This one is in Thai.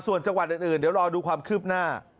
ส่วนจังหวัดอื่นเดี๋ยวรอดูความคืบหน้า